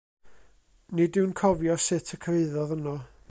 Nid yw'n cofio sut y cyrhaeddodd yno.